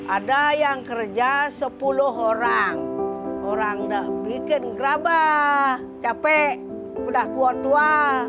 ada yang kerja sepuluh orang orang bikin gerabah capek udah tua tua